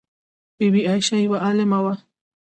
بی بي عایشه یوه عالمه وه.